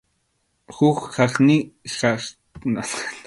Huk kaqninmi Pampakʼuchu taytachaqa.